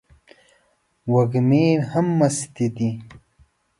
وږمې هم مستې دي